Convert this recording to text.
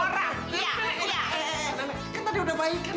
kan tadi udah baik